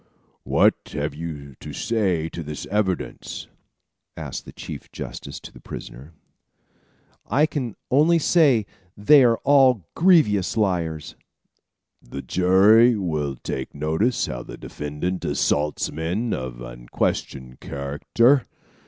"What have you to say to this evidence?" asked the chief justice to the prisoner. "I can only say they are all grievous liars." "The jury will take notice how the defendant assaults men of unquestioned character.